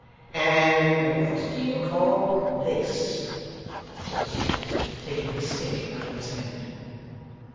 'And what do you call this?' said Mr Tappertit taking his stick out of his hand.